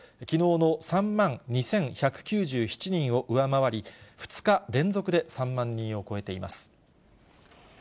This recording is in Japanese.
きのうの３万２１９７人を上回り、２日連続で３万人を超えています。